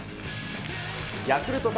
ヤクルト対